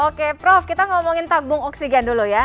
oke prof kita ngomongin tabung oksigen dulu ya